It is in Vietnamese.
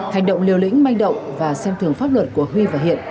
hành động liều lĩnh manh động và xem thường pháp luật của huy và hiện